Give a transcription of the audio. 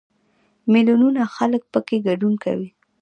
میلیونونه خلک پکې ګډون کوي.